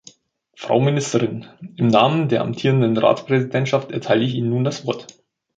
Frau Ministerin, im Namen der amtierenden Ratspräsidentschaft erteile ich Ihnen nun das Wort.